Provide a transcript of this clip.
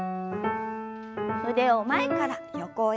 腕を前から横へ。